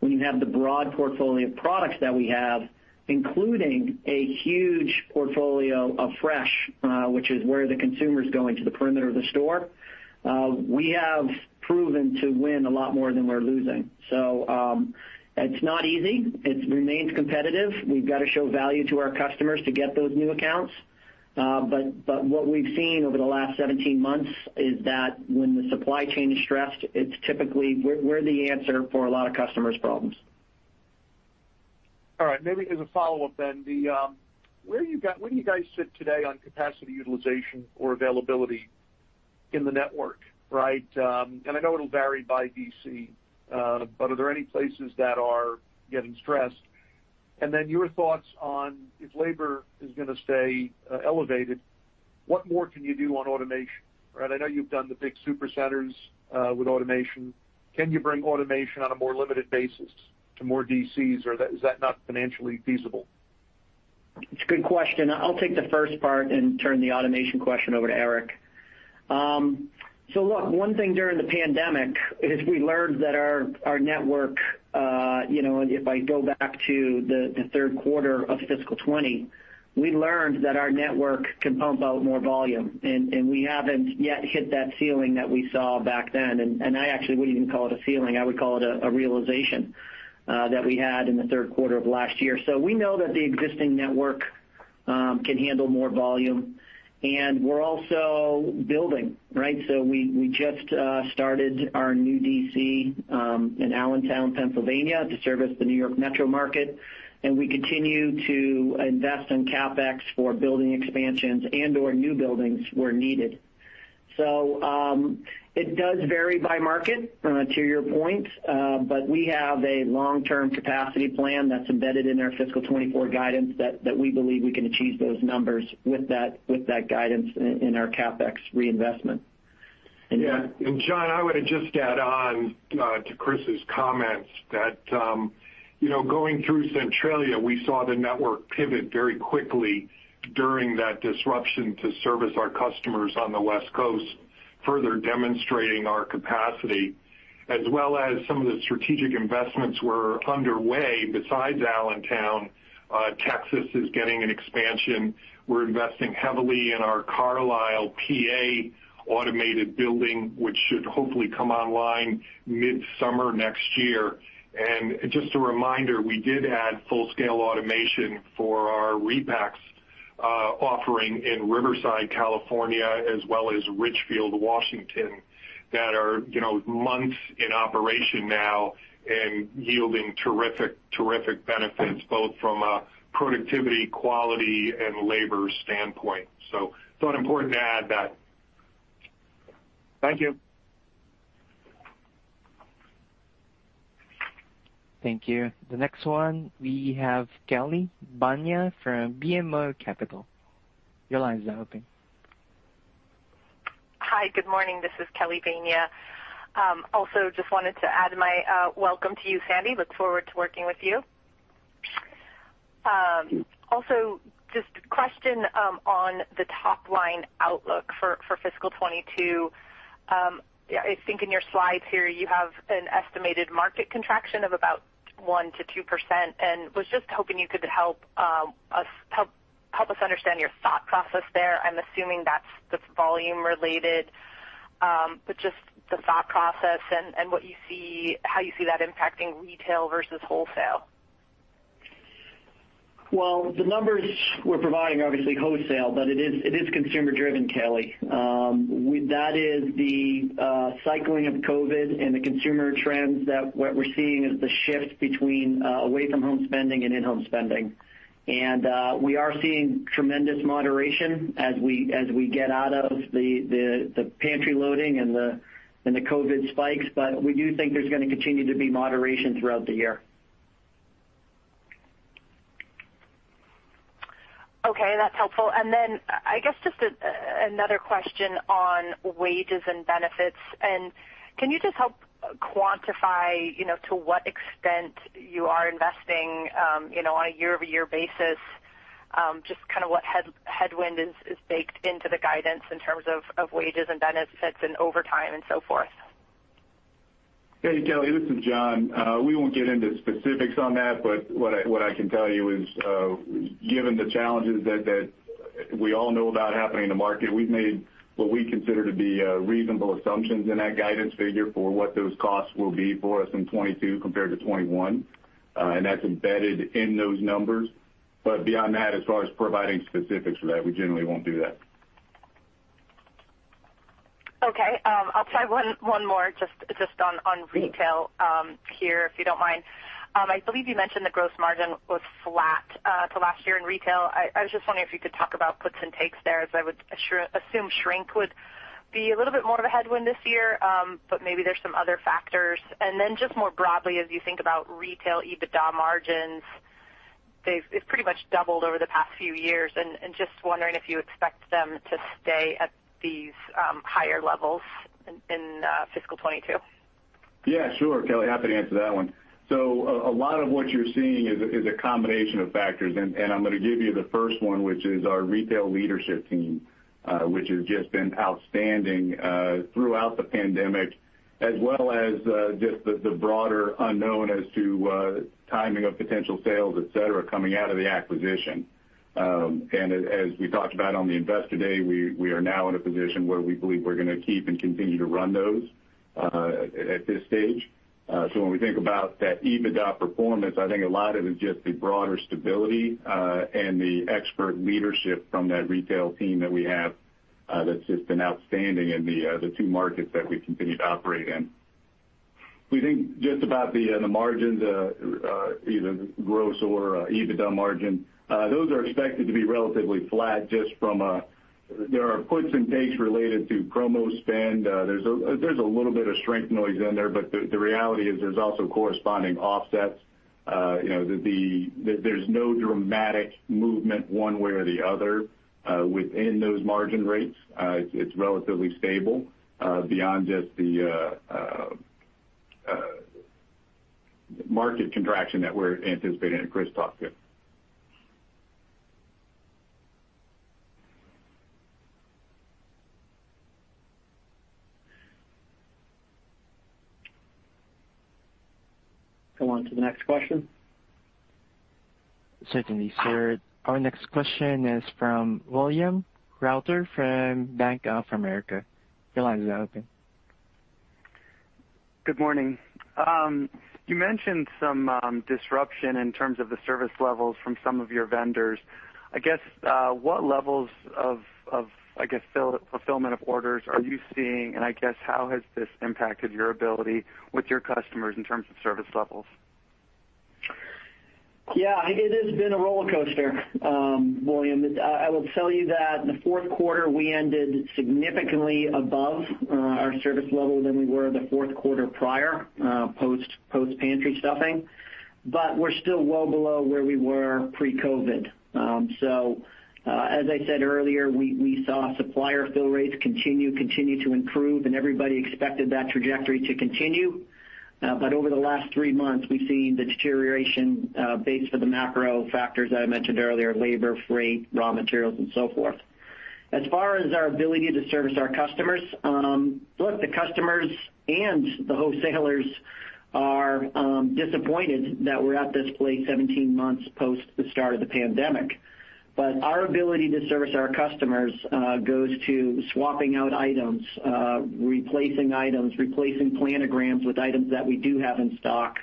when you have the broad portfolio of products that we have, including a huge portfolio of fresh, which is where the consumer's going, to the perimeter of the store, we have proven to win a lot more than we're losing. It's not easy. It remains competitive. We've got to show value to our customers to get those new accounts. What we've seen over the last 17 months is that when the supply chain is stressed, we're the answer for a lot of customers' problems. All right. Maybe as a follow-up then, where do you guys sit today on capacity utilization or availability in the network? I know it'll vary by DC, but are there any places that are getting stressed? Your thoughts on if labor is going to stay elevated, what more can you do on automation? I know you've done the big super centers with automation. Can you bring automation on a more limited basis to more DCs, or is that not financially feasible? It's a good question. I'll take the first part and turn the automation question over to Eric. Look, one thing during the pandemic is we learned that our network, if I go back to the third quarter of fiscal 2020, we learned that our network can pump out more volume, and we haven't yet hit that ceiling that we saw back then. I actually wouldn't even call it a ceiling. I would call it a realization that we had in the third quarter of last year. We know that the existing network can handle more volume, and we're also building, right? We just started our new DC in Allentown, Pennsylvania, to service the New York metro market, and we continue to invest in CapEx for building expansions and/or new buildings where needed. It does vary by market, to your point, but we have a long-term capacity plan that's embedded in our fiscal 2024 guidance that we believe we can achieve those numbers with that guidance in our CapEx reinvestment. Yeah. John, I would just add on to Chris's comments that going through Centralia, we saw the network pivot very quickly during that disruption to service our customers on the West Coast, further demonstrating our capacity, as well as some of the strategic investments were underway besides Allentown. Texas is getting an expansion. We're investing heavily in our Carlisle, PA, automated building, which should hopefully come online mid-summer next year. Just a reminder, we did add full-scale automation for our repacks offering in Riverside, California, as well as Ridgefield, Washington, that are months in operation now and yielding terrific benefits both from a productivity, quality, and labor standpoint. I thought important to add that. Thank you. Thank you. The next one we have Kelly Bania from BMO Capital. Your line is open. Hi. Good morning. This is Kelly Bania. Also just wanted to add my welcome to you, Sandy. Look forward to working with you. Also, just a question on the top-line outlook for fiscal 2022. I think in your slides here you have an estimated market contraction of about 1%-2% and was just hoping you could help us understand your thought process there. I'm assuming that's volume related, but just the thought process and how you see that impacting retail versus wholesale. Well, the numbers we're providing are obviously wholesale, but it is consumer driven, Kelly. That is the cycling of COVID and the consumer trends that what we're seeing is the shift between away from home spending and in-home spending. We are seeing tremendous moderation as we get out of the pantry loading and the COVID spikes, but we do think there's going to continue to be moderation throughout the year. Okay. That's helpful. I guess just another question on wages and benefits, and can you just help quantify to what extent you are investing on a year-over-year basis? Just what headwind is baked into the guidance in terms of wages and benefits and overtime and so forth? Hey, Kelly, this is John. We won't get into specifics on that, but what I can tell you is, given the challenges that we all know about happening in the market, we've made what we consider to be reasonable assumptions in that guidance figure for what those costs will be for us in 2022 compared to 2021, and that's embedded in those numbers. Beyond that, as far as providing specifics for that, we generally won't do that. I'll try one more just on retail here, if you don't mind. I believe you mentioned the gross margin was flat to last year in retail. I was just wondering if you could talk about puts and takes there, as I would assume shrink would be a little bit more of a headwind this year, but maybe there's some other factors. Just more broadly, as you think about retail EBITDA margins, they've pretty much doubled over the past few years, just wondering if you expect them to stay at these higher levels in fiscal 2022. Yeah, sure, Kelly. Happy to answer that one. A lot of what you're seeing is a combination of factors, and I'm going to give you the first one, which is our retail leadership team, which has just been outstanding throughout the pandemic, as well as just the broader unknown as to timing of potential sales, et cetera, coming out of the acquisition. As we talked about on the investor day, we are now in a position where we believe we're going to keep and continue to run those at this stage. When we think about that EBITDA performance, I think a lot of it is just the broader stability and the expert leadership from that retail team that we have that's just been outstanding in the two markets that we continue to operate in. We think just about the margins, either gross or EBITDA margin, those are expected to be relatively flat. There are puts and takes related to promo spend. There's a little bit of shrink noise in there, but the reality is there's also corresponding offsets. There's no dramatic movement one way or the other within those margin rates. It's relatively stable beyond just the market contraction that we're anticipating that Chris talked to. Go on to the next question. Certainly, sir. Our next question is from William Reuter from Bank of America. Your line is open. Good morning. You mentioned some disruption in terms of the service levels from some of your vendors. I guess, what levels of fulfillment of orders are you seeing, and I guess how has this impacted your ability with your customers in terms of service levels? Yeah, it has been a rollercoaster, William. I will tell you that in the fourth quarter, we ended significantly above our service level than we were the fourth quarter prior, post pantry stuffing. We're still well below where we were pre-COVID. As I said earlier, we saw supplier fill rates continue to improve, and everybody expected that trajectory to continue. Over the last three months, we've seen the deterioration based on the macro factors that I mentioned earlier, labor, freight, raw materials, and so forth. As far as our ability to service our customers. Look, the customers and the wholesalers are disappointed that we're at this place 17 months post the start of the pandemic. Our ability to service our customers goes to swapping out items, replacing items, replacing planograms with items that we do have in stock,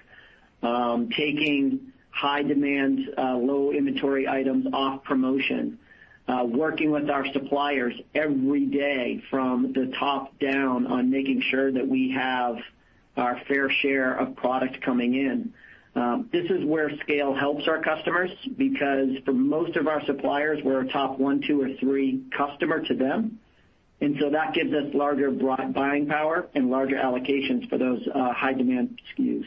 taking high demand, low inventory items off promotion. Working with our suppliers every day from the top down on making sure that we have our fair share of product coming in. This is where scale helps our customers, because for most of our suppliers, we're a top one, two, or three customer to them. That gives us larger buying power and larger allocations for those high demand SKUs.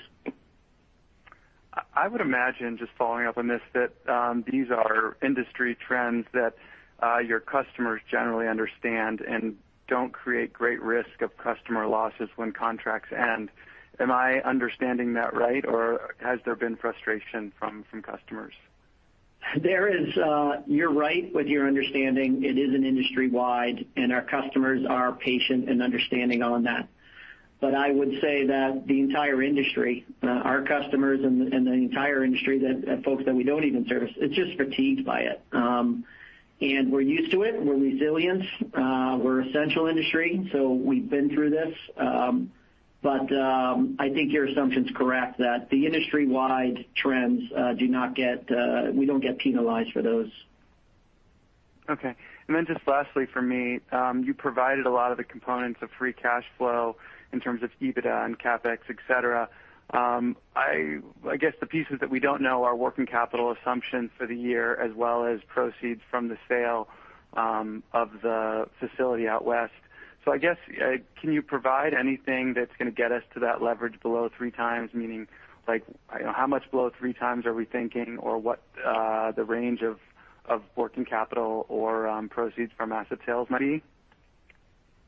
I would imagine, just following up on this, that these are industry trends that your customers generally understand and don't create great risk of customer losses when contracts end. Am I understanding that right? Has there been frustration from customers? You're right with your understanding. It is an industry-wide, and our customers are patient and understanding on that. I would say that the entire industry, our customers and the entire industry, folks that we don't even service, is just fatigued by it. We're used to it. We're resilient. We're essential industry, so we've been through this. I think your assumption's correct that the industry-wide trends, we don't get penalized for those. Okay. Just lastly from me, you provided a lot of the components of free cash flow in terms of EBITDA and CapEx, et cetera. I guess the pieces that we don't know are working capital assumption for the year as well as proceeds from the sale of the facility out west. I guess, can you provide anything that's going to get us to that leverage below 3x? Meaning, how much below 3x are we thinking? What the range of working capital or proceeds from asset sales might be?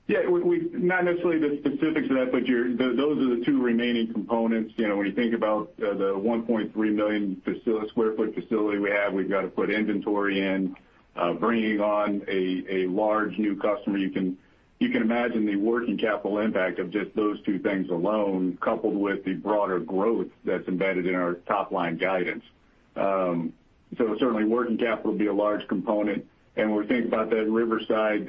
Yeah. Not necessarily the specifics of that, but those are the two remaining components. When you think about the 1.3 million sq ft facility we have, we've got to put inventory in. Bringing on a large new customer. You can imagine the working capital impact of just those two things alone, coupled with the broader growth that's embedded in our top-line guidance. Certainly, working capital would be a large component. When we think about that Riverside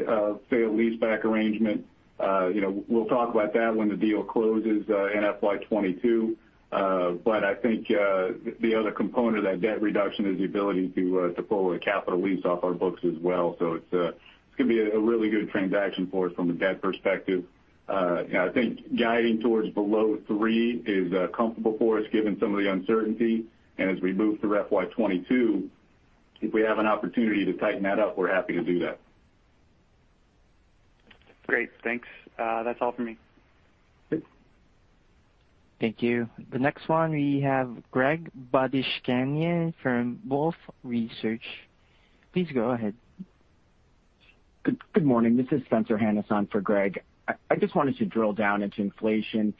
sale-leaseback arrangement, we'll talk about that when the deal closes in FY 2022. I think the other component of that debt reduction is the ability to pull a capital lease off our books as well. It's going to be a really good transaction for us from a debt perspective. I think guiding towards below three is comfortable for us given some of the uncertainty. As we move through FY 2022, if we have an opportunity to tighten that up, we're happy to do that. Great. Thanks. That's all for me. Great. Thank you. The next one we have Greg Badishkanian from Wolfe Research. Please go ahead. Good morning. This is Spencer Hanus on for Greg. I just wanted to drill down into inflation.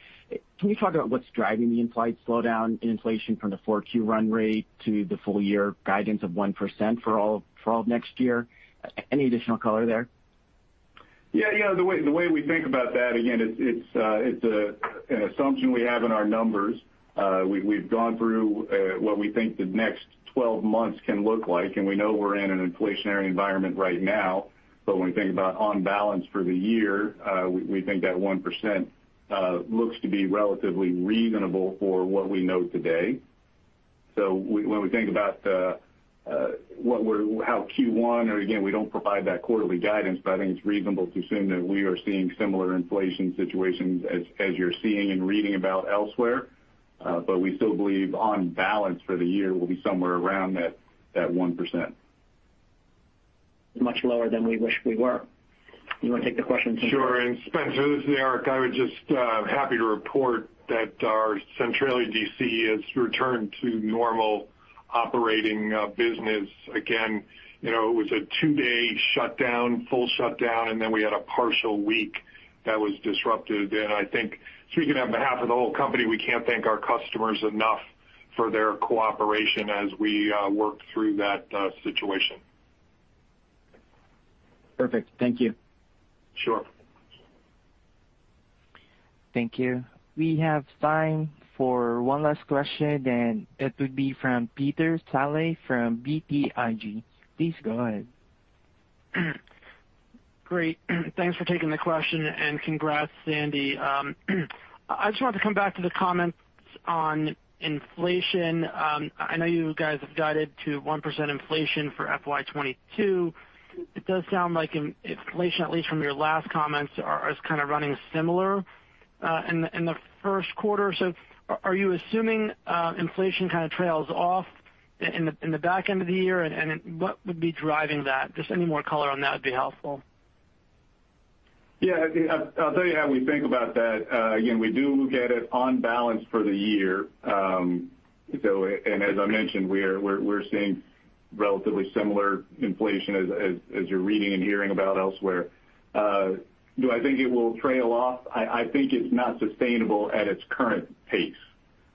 Can you talk about what's driving the implied slowdown in inflation from the 4Q run rate to the full year guidance of 1% for all of next year? Any additional color there? The way we think about that, again, it's an assumption we have in our numbers. We've gone through what we think the next 12 months can look like, and we know we're in an inflationary environment right now. When we think about on balance for the year, we think that 1% looks to be relatively reasonable for what we know today. When we think about how Q1, or again, we don't provide that quarterly guidance, but I think it's reasonable to assume that we are seeing similar inflation situations as you're seeing and reading about elsewhere. We still believe on balance for the year, we'll be somewhere around that 1%. Much lower than we wish we were. You want to take the question, Eric? Sure. Spencer, this is Eric. I was just happy to report that our Centralia DC has returned to normal operating business again. It was a two-day shutdown, full shutdown, then we had a partial week that was disrupted. I think speaking on behalf of the whole company, we can't thank our customers enough for their cooperation as we work through that situation. Perfect. Thank you. Sure. Thank you. We have time for one last question, and it would be from Peter Saleh from BTIG. Please go ahead. Great. Thanks for taking the question and congrats, Sandy. I just wanted to come back to the comments on inflation. I know you guys have guided to 1% inflation for FY 2022. It does sound like inflation, at least from your last comments, is kind of running similar in the first quarter. Are you assuming inflation kind of trails off in the back end of the year? What would be driving that? Just any more color on that would be helpful. Yeah. I'll tell you how we think about that. Again, we do look at it on balance for the year. As I mentioned, we're seeing relatively similar inflation as you're reading and hearing about elsewhere. Do I think it will trail off? I think it's not sustainable at its current pace.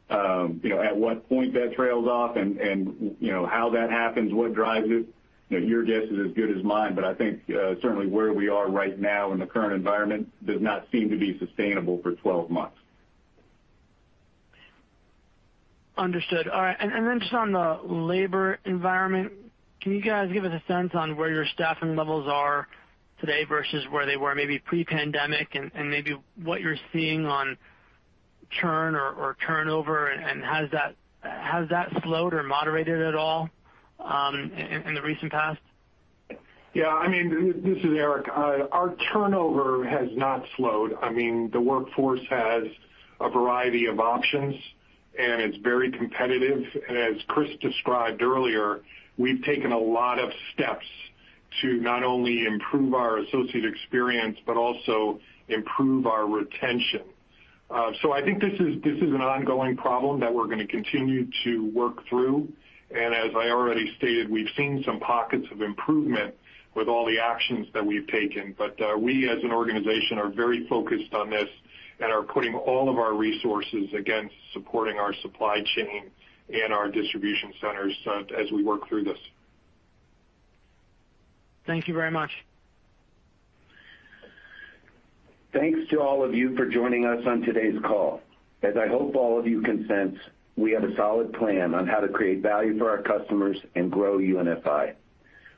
At what point that trails off and how that happens, what drives it, your guess is as good as mine. I think, certainly where we are right now in the current environment does not seem to be sustainable for 12 months. Understood. All right. Just on the labor environment, can you guys give us a sense on where your staffing levels are today versus where they were maybe pre-pandemic and maybe what you're seeing on churn or turnover and has that slowed or moderated at all in the recent past? Yeah, this is Eric. Our turnover has not slowed. The workforce has a variety of options and it's very competitive. As Chris described earlier, we've taken a lot of steps to not only improve our associate experience but also improve our retention. I think this is an ongoing problem that we're going to continue to work through. As I already stated, we've seen some pockets of improvement with all the actions that we've taken. We as an organization, are very focused on this and are putting all of our resources against supporting our supply chain and our distribution centers as we work through this. Thank you very much. Thanks to all of you for joining us on today's call. As I hope all of you can sense, we have a solid plan on how to create value for our customers and grow UNFI.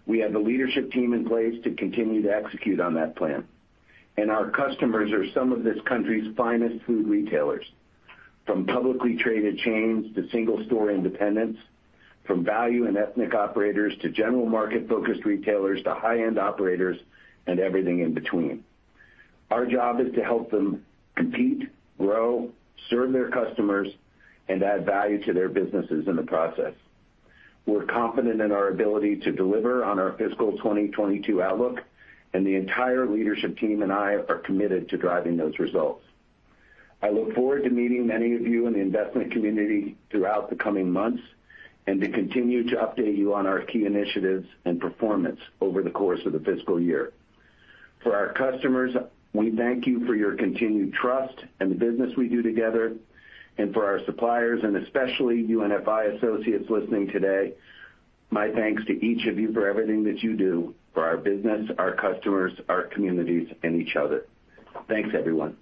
We have the leadership team in place to continue to execute on that plan. Our customers are some of this country's finest food retailers, from publicly traded chains to single store independents, from value and ethnic operators to general market focused retailers to high-end operators and everything in between. Our job is to help them compete, grow, serve their customers, and add value to their businesses in the process. We're confident in our ability to deliver on our fiscal 2022 outlook, and the entire leadership team and I are committed to driving those results. I look forward to meeting many of you in the investment community throughout the coming months and to continue to update you on our key initiatives and performance over the course of the fiscal year. For our customers, we thank you for your continued trust and the business we do together. For our suppliers and especially UNFI associates listening today, my thanks to each of you for everything that you do for our business, our customers, our communities, and each other. Thanks, everyone.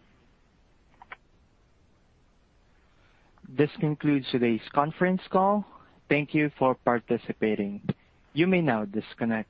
This concludes today's conference call. Thank you for participating. You may now disconnect.